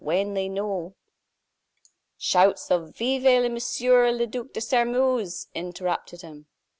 "When they know " Shouts of "Vive Monsieur le Duc de Sairmeuse!" interrupted him.